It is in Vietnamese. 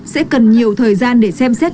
sẽ cần nhiều thời gian để xem xét